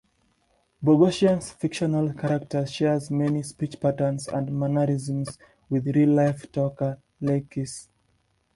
Bogosian's fictional character shares many speech patterns and mannerisms with real-life talker Leykis.